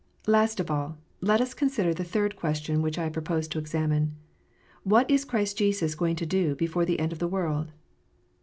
Last of all, let us consider the third question which I propose to examine : What is Jesus Christ going to do before the end of the world